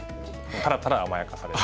ただただ甘やかされる。